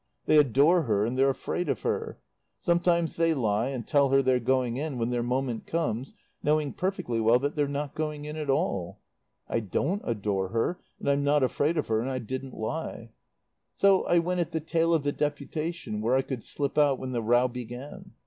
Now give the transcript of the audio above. They adore her and they're afraid of her. Sometimes they lie and tell her they're going in when their moment comes, knowing perfectly well that they're not going in at all. I don't adore her, and I'm not afraid of her, and I didn't lie. "So I went at the tail of the deputation where I could slip out when the row began.